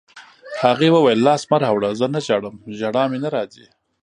هغې وویل: لاس مه راوړه، زه نه ژاړم، ژړا مې نه راځي.